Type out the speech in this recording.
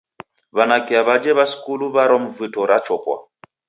W'anake aw'aje w'a skulu w'arwa mivuto ra chopwa.